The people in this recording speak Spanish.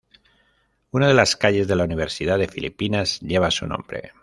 Una de las calles de la Universidad de Filipinas lleva su nombre.